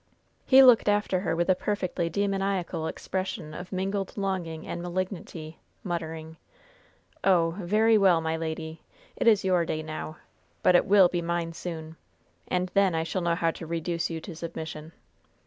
He looked after her with a perfectly demoniacal expression of mingled longing and malignity, muttering: "Oh, very well, my lady! It is your day now! But it will be mine soon! And then I shall know how to reduce you to submission."